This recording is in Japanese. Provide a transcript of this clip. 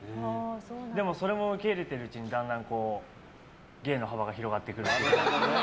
でもそれも受け入れているうちにだんだんこう、芸の幅が広がってくるというか。